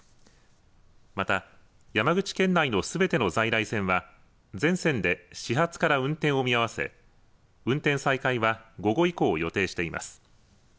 また、山口県内のすべての在来線は全線で始発から運転を見合わせ運転再開は午後以降を予定しています。